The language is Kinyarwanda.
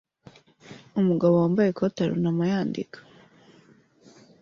Umugabo wambaye ikoti arunama yandika